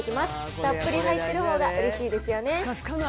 たっぷり入っているほうがうれしいですよね。